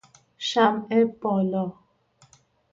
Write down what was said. شمع بالا